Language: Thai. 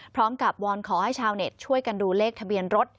วอนขอให้ชาวเน็ตช่วยกันดูเลขทะเบียนรถ